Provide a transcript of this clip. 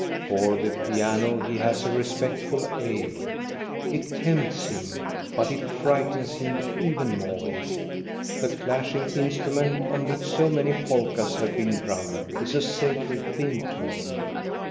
For the piano he has a respectful awe. It tempts him, but it frightens him even more. The clashing instrument, on which so many polkas have been drummed, is a sacred thing to him.